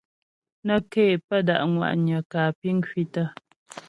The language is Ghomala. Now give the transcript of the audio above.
Nə́ ké pə́ da' ŋwa'nyə kǎ piŋ kwǐtə.